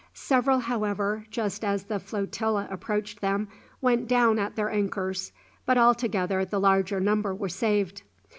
Several, however, just as the flotilla approached them, went down at their anchors, but altogether the larger number were saved.